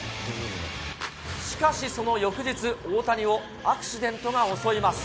しかし、その翌日、大谷をアクシデントが襲います。